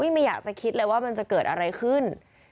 ไม่อยากจะคิดเลยว่ามันจะเกิดอะไรขึ้น